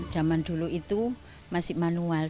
zaman dulu itu masih manual